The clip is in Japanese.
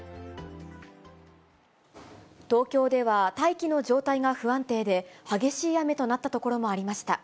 東京では、大気の状態が不安定で、激しい雨となった所もありました。